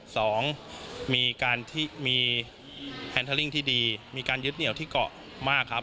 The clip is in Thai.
สองมีการที่มีแฮนเทอร์ลิ่งที่ดีมีการยึดเหนียวที่เกาะมากครับ